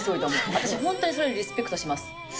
私、本当にそれ、リスペクトします。